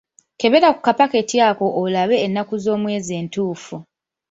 Kebera ku kapakiti ako olabeko ennaku z'omwezi entuufu.